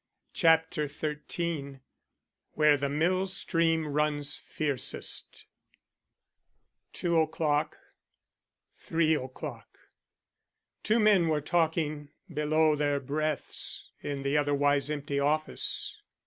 CHAPTER XIII WHERE THE MILL STREAM RUNS FIERCEST Two o'clock. Three o'clock. Two men were talking below their breaths in the otherwise empty office.